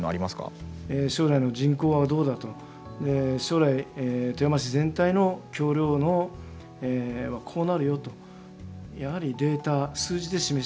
将来の人口はどうだと将来富山市全体の橋りょうはこうなるよとやはりデータ・数字で示していくということがですね